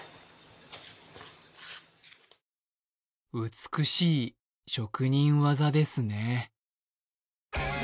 美しい職人技ですね。